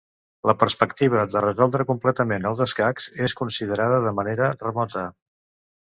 La perspectiva de resoldre completament els escacs és considerada de manera remota.